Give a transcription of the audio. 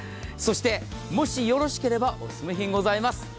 そしてもしよろしければおすすめ品ございます。